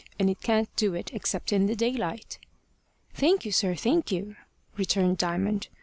And it can't do it except in the daylight." "Thank you, sir, thank you," returned Diamond.